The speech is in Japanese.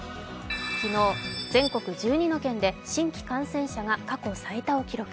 昨日、全国１２の県で新規感染者が過去最多を記録。